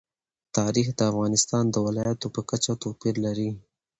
تاریخ د افغانستان د ولایاتو په کچه توپیر لري.